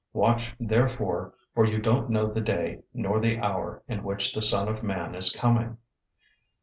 025:013 Watch therefore, for you don't know the day nor the hour in which the Son of Man is coming.